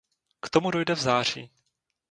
K tomu dojde v září.